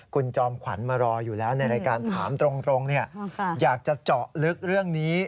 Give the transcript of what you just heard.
คุณจอมขวัญมารออยู่แล้วในรายการถามตรงอยากจะเจาะลึกเรื่องนี้